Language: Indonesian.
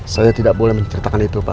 saya tidak boleh menceritakan itu pak